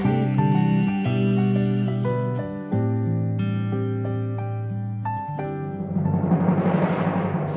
sampai tua nanti